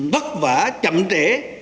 bất vả chậm trễ